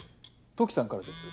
土岐さんからです。